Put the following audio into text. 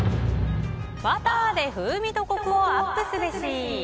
バターで風味とコクをアップすべし。